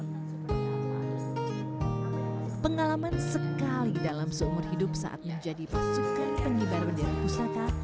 pengalaman sekali dalam seumur hidup saat menjadi pasukan pengibar bendera pusaka